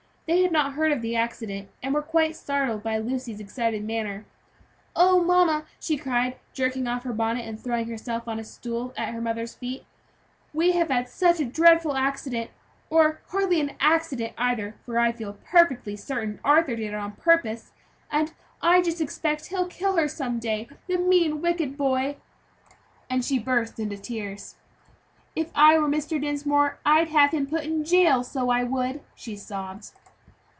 They had not heard of the accident, and were quite startled by Lucy's excited manner. "Oh, mamma!" she cried, jerking off her bonnet, and throwing herself down on a stool at her mother's feet, "we have had such a dreadful accident, or hardly an accident either, for I feel perfectly certain Arthur did it on purpose; and I just expect he'll kill her some day, the mean, wicked boy!" and she burst into tears. "If I were Mr. Dinsmore I'd have him put in jail, so I would," she sobbed.